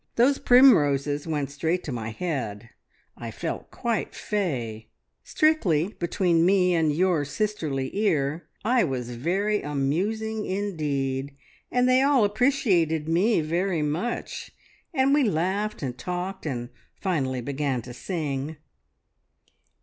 Those primroses went straight to my head; I felt quite fey. "Strictly, between me and your sisterly ear, I was very amusing indeed, and they all appreciated me very much! And we laughed and talked, and finally began to sing.